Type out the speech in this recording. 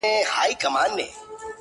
• ستړې سوې مو درګاه ته یم راغلې,